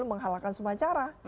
memahalakan semua cara